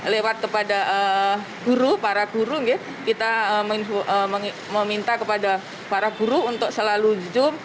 lewat kepada guru para guru kita meminta kepada para guru untuk selalu zoom